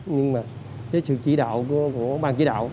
nhưng mà sự chỉ đạo của ban chỉ đạo